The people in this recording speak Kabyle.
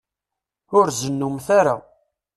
Ur zennumt ara.